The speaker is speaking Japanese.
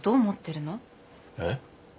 えっ？